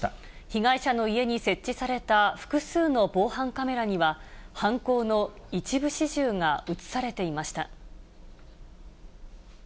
被害者の家に設置された複数の防犯カメラには、犯行の一部始終が写されていました。